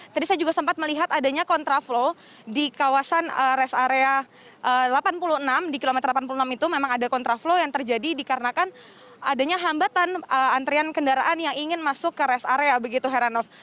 tadi saya juga sempat melihat adanya kontraflow di kawasan rest area delapan puluh enam di kilometer delapan puluh enam itu memang ada kontraflow yang terjadi dikarenakan adanya hambatan antrian kendaraan yang ingin masuk ke rest area begitu heranov